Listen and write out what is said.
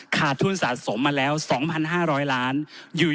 ขาดทุนสะสมมาแล้ว๒๕๐๐ล้านอยู่